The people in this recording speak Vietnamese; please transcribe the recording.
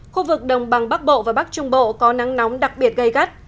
khu vực đồng bằng bắc bộ và bắc trung bộ có nắng nóng đặc biệt gây gắt